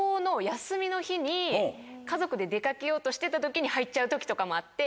家族で出掛けようとしてた時に入っちゃう時とかもあって。